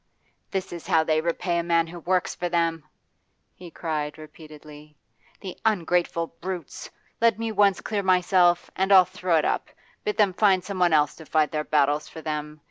'This is how they repay a man who works for them!' he cried repeatedly. 'The ungrateful brutes! Let me once clear myself, and I'll throw it up, bid them find someone else to fight their battles for them.